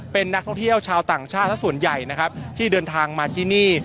เป็นนักท่องเที่ยวชาวต่างชาติส่วนใหญ่นะครับที่เดินทางมาที่นี่